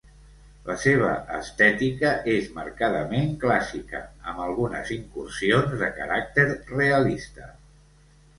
La seva estètica és marcadament clàssica, amb algunes incursions de caràcter realista.